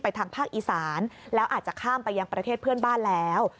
ทางภาคอีสานแล้วอาจจะข้ามไปยังประเทศเพื่อนบ้านแล้ว